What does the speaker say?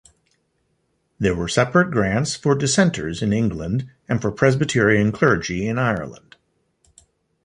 There were separate grants for Dissenters in England, and for Presbyterian clergy in Ireland.